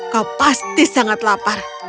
kau pasti sangat lapar